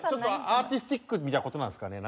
アーティスティックみたいな事なんですかね？